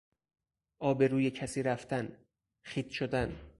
آبروی کسی رفتن، خیط شدن